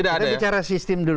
kita bicara sistem dulu